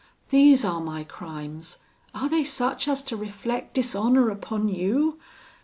These are my crimes; are they such as to reflect dishonour upon you?